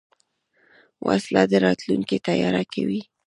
وسله د راتلونکي تیاره کوي